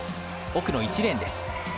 奥の１レーンです。